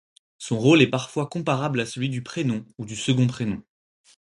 Son rôle est parfois comparable à celui du prénom ou second prénom.